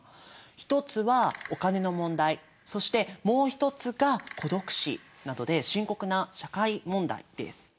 一つはお金の問題そしてもう一つが孤独死などで深刻な社会問題です。